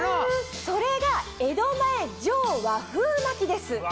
それが江戸前上和風巻です。